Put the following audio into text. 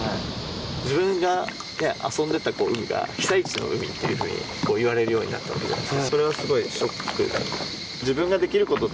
自分が遊んでた海が、被災地の海っていうふうにいわれるようになったわけじゃないですか、それはすごいショックだった。